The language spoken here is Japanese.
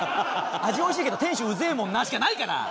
「味おいしいけど店主うぜえもんな」しかないから！